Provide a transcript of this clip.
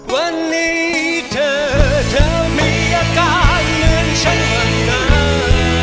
วันนี้เธอเธอมีอาการเหมือนฉันวันหน้า